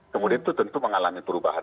kemudian itu tentu mengalami perubahan